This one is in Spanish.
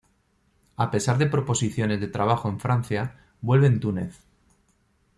A pesar de proposiciones de trabajo en Francia, vuelve en Túnez.